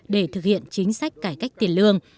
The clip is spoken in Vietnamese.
để thực hiện chính sách cải cách tiền lương